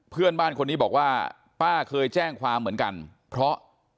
เพื่อนบ้านคนนี้บอกว่าป้าเคยแจ้งความเหมือนกันเพราะ